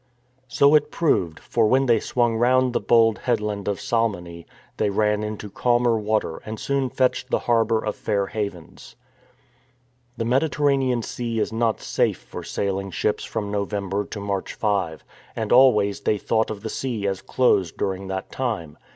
^ So it proved, for when they swung round the bold headland of Salmone, they ran into calmer water and soon fetched the harbour of Fair Havens. The Mediterranean Sea is not safe for sailing ships from November to March 5, and always they thought of the sea as closed during that time.